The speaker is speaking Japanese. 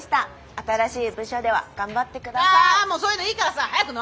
新しい部署では頑張って下さい。